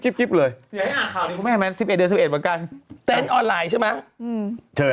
เกาหลังข้างหน่อยดิ